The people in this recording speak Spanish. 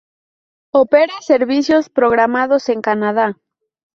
Opera servicios programados en Canada.